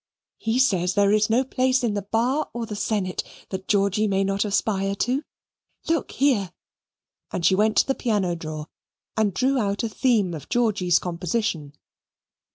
He says there is no place in the bar or the senate that Georgy may not aspire to. Look here," and she went to the piano drawer and drew out a theme of Georgy's composition.